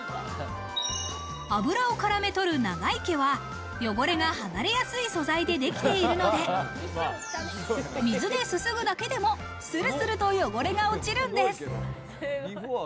油を絡め取る長い毛は汚れが離れやすい素材で出来ているので、水ですすぐだけでもスルスルと汚れが落ちるんです。